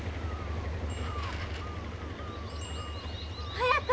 早く。